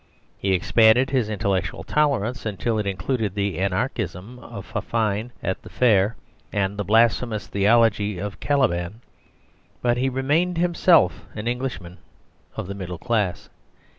He expanded his intellectual tolerance until it included the anarchism of Fifine at the Fair and the blasphemous theology of Caliban; but he remained himself an Englishman of the middle class.